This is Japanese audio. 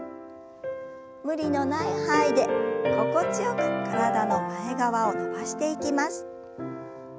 無理のない範囲で心地よく体の前側を伸ばしていきます。